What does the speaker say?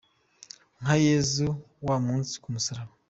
Nka Yezu wa munsi ku musaraba